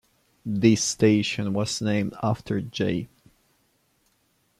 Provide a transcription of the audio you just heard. This station was named after J.